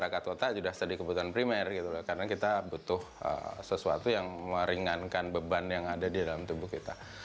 masyarakat otak sudah jadi kebutuhan primer gitu karena kita butuh sesuatu yang meringankan beban yang ada di dalam tubuh kita